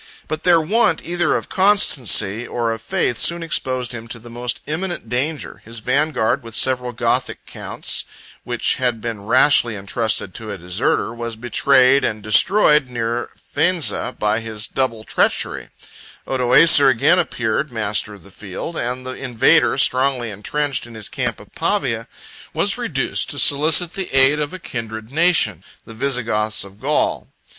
But their want either of constancy or of faith soon exposed him to the most imminent danger; his vanguard, with several Gothic counts, which had been rashly intrusted to a deserter, was betrayed and destroyed near Faenza by his double treachery; Odoacer again appeared master of the field, and the invader, strongly intrenched in his camp of Pavia, was reduced to solicit the aid of a kindred nation, the Visigoths of Gaul.